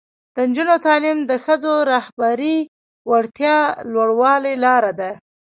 د نجونو تعلیم د ښځو رهبري وړتیا لوړولو لاره ده.